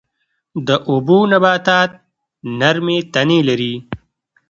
د اوبو نباتات نرمې تنې لري